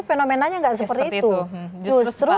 fenomenanya nggak seperti itu justru